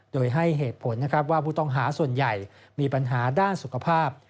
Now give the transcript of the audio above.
โดยให้เหตุผลนะครับว่าผู้ต้องหาส่วนใหญ่มีปัญหาด้านสุขภาพ